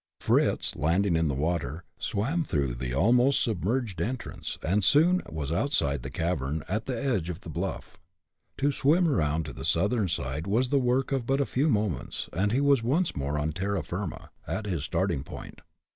Fritz, landing in the water, swam through the almost submerged entrance, and soon was outside the cavern, at the edge of the bluff. To swim around to the southern side was the work of but a few moments, and he was once more on terra firma, at his starting point.